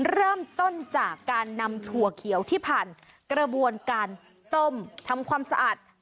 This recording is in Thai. เริ่มต้นจากการนำถั่วเขียวที่ผ่านกระบวนการต้มทำความสะอาด